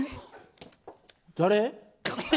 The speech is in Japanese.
誰。